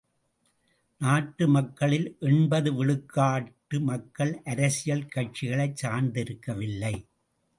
நாட்டு மக்களில் எண்பது விழுக்காட்டு மக்கள் அரசியல் கட்சிகளைக் சார்ந்திருக்கவில்லை.